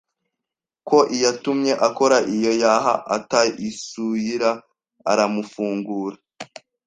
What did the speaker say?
ko iyatumye akora iyo yaha ataisuira aramufungura